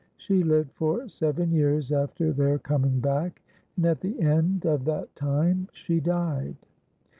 She lived for seven years after their coming back, and at the end of that time she died.